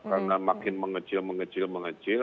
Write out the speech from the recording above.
karena makin mengecil mengecil mengecil